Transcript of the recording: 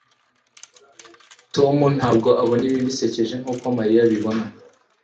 tom ntabwo abona ibi bisekeje nkuko mariya abibona